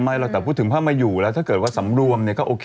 แต่แต่ว่าถึงผ้ามาอยู่ถ้าเกิดสำรวมก็ซุ่ม